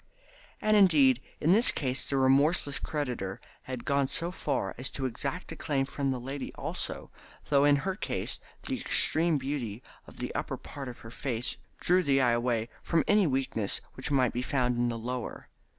And indeed in this case the remorseless creditor had gone so far as to exact a claim from the lady also, though in her case the extreme beauty of the upper part of the face drew the eye away from any weakness which might be found in the lower.